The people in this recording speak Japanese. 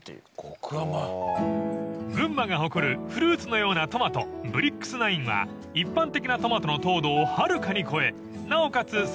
［群馬が誇るフルーツのようなトマトブリックスナインは一般的なトマトの糖度をはるかに超えなおかつ